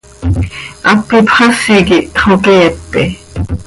Hap ipxasi quih hxoqueepe.